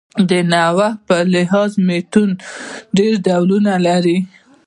د نوعیت په لحاظ متون ډېر ډولونه لري.